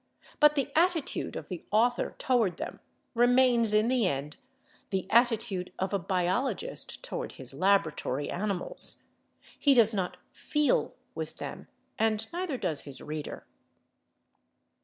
But the attitude of the author toward them remains, in the end, the attitude of a biologist toward his laboratory animals. He does not feel with them—and neither does his reader.